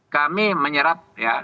kami menyerap ya